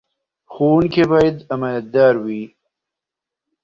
ښوونکي باید امانتدار وي.